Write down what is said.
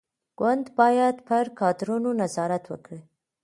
ګوند باید پر کادرونو نظارت وکړي.